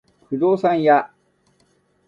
不動産屋